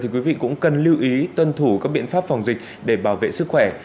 quý vị cũng cần lưu ý tuân thủ các biện pháp phòng dịch để bảo vệ sức khỏe